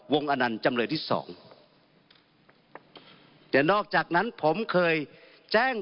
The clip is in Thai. อนันต์จำเลยที่สองแต่นอกจากนั้นผมเคยแจ้ง